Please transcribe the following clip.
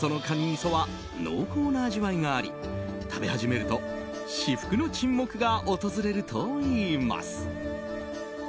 みそは濃厚な味わいがあり食べ始めると至福の沈黙が訪れるといいます。